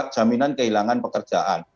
jaminan kehilangan pekerjaan